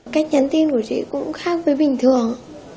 cách nhắn tin của chị cũng khác với bình thường